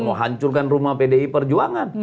mau hancurkan rumah pdi perjuangan